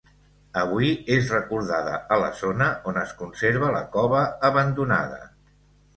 Avui, és recordada a la zona on es conserva la cova, abandonada.